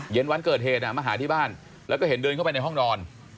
วันเกิดเหตุมาหาที่บ้านแล้วก็เห็นเดินเข้าไปในห้องนอน